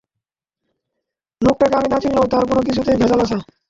লোকটাকে আমি না চিনলেও তার কোন কিছুতে ভেজাল আছে।